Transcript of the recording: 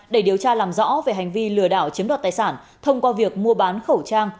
để điều tra làm rõ về hành vi lừa đảo chiếm đoạt tài sản thông qua việc mua bán khẩu trang